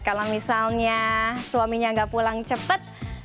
kalau misalnya suaminya nggak pulang cepat